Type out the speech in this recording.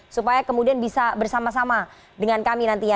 supaya kemudian bisa bersama sama dengan kami nantinya